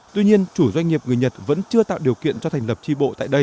tuy nhiên chủ doanh nghiệp người nhật vẫn chưa tạo điều kiện cho thành lập tri bộ tại đây